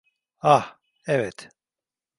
Ah, evet.